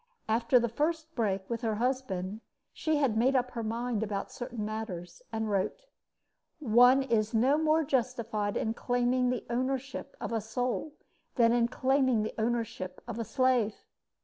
After the first break with her husband, she had made up her mind about certain matters, and wrote: One is no more justified in claiming the ownership of a soul than in claiming the ownership of a slave.